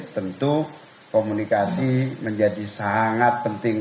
tentu komunikasi menjadi sangat penting